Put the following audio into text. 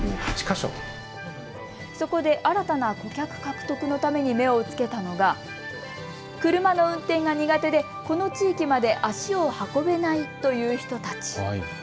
そこで新たな顧客獲得のために目をつけたのが車の運転が苦手でこの地域まで足を運べないという人たち。